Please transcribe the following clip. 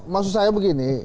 maksud saya begini